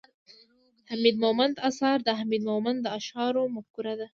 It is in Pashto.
،حميد مومند اثار، د حميد مومند د اشعارو مفکوره